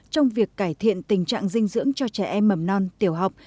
trong việc cải thiện tình trạng dinh dưỡng cho trẻ em mầm non tiểu học